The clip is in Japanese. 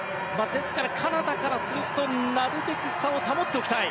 ですからカナダからするとなるべく差を保っておきたい。